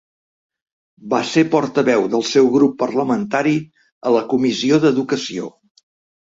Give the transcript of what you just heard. Va ser portaveu del seu grup parlamentari a la Comissió d'Educació.